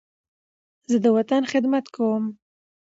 زه د وطن خدمت کوم.